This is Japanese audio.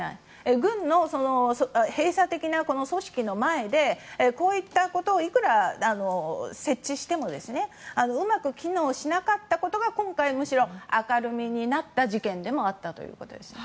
軍の閉鎖的な組織の前でこういったことをいくら設置してもうまく機能しなかったことが今回むしろ明るみになった事件でもあったということですね。